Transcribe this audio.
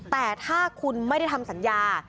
แต่ถ้าคุณไม่ได้ทำสัญญา